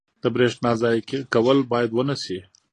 • د برېښنا ضایع کول باید ونه شي.